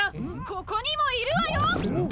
・ここにもいるわよ！